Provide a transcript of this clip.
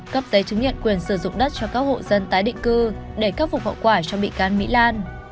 cấp giấy chứng nhận quyền sử dụng đất cho các hộ dân tái định cư để khắc phục hậu quả cho bị can mỹ lan